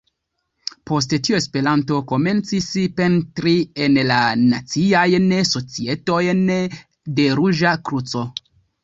Post tio Esperanto komencis penetri en la naciajn societojn de Ruĝa Kruco.